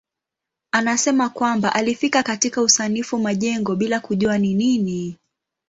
Anasema kwamba alifika katika usanifu majengo bila kujua ni nini.